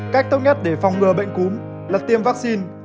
cách tốt nhất để phòng ngừa bệnh cúm là tiêm vaccine